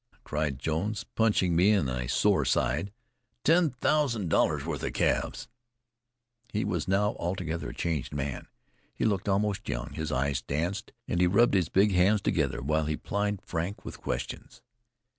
cried Jones, punching me in my sore side. "Ten thousand dollars worth of calves!" He was now altogether a changed man; he looked almost young; his eyes danced, and he rubbed his big hands together while he plied Frank with questions.